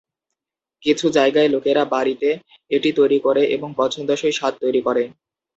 কিছু জায়গায় লোকেরা বাড়িতে এটি তৈরি করে এবং পছন্দসই স্বাদ তৈরি করে।